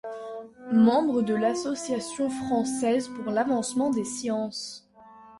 Membre de l'Association française pour l'avancement des sciences.